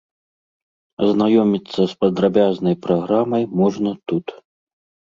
Азнаёміцца з падрабязнай праграмай можна тут.